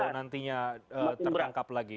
kalau nantinya tertangkap lagi